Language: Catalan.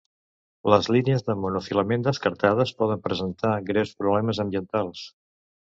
Les línies de monofilament descartades poden presentar greus problemes ambientals.